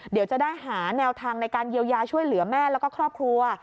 เดี๋ยวจะได้หาแนวทางในการเยียวยาช่วยเหลือแม่แล้วก็ครอบครัว